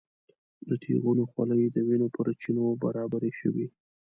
د تیغونو خولې د وینو پر چینو برابرې شوې.